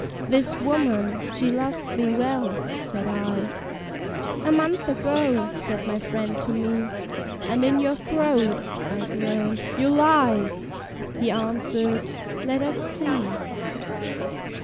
"This woman, she loved me well," said I. "A month ago," said my friend to me: "And in your throat," I groaned, "you lie!" He answered, ... "Let us see."